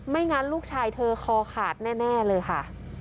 งั้นลูกชายเธอคอขาดแน่เลยค่ะ